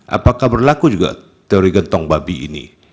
apakah berlaku juga teori gentong babi ini